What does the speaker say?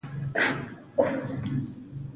دې پړاوونو ته د بودیجې دوران وایي.